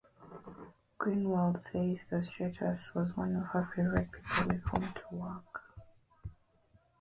Greenwald says that Stratus was one of her favorite people with whom to work.